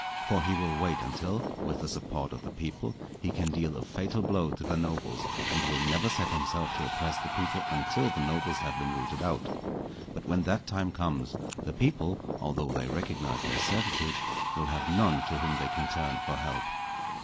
For he will wait until, with the support of the people, he can deal a fatal blow to the nobles, and will never set himself to oppress the people until the nobles have been rooted out. But when that time comes, the people, although they recognize their servitude, will have none to whom they can turn for help.